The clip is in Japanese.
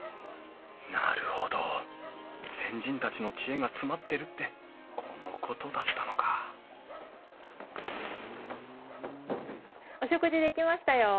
なるほど先人たちの知恵が詰まってるってこのことだったのかお食事出来ましたよ。